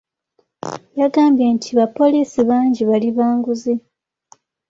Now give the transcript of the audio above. Yagambye nti bapoliisi bangi bali ba nguzi .